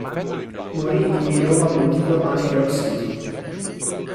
Morì di mieloma multiplo a New York City.